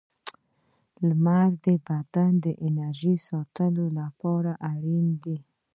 • لمر د بدن د انرژۍ ساتلو لپاره اړین دی.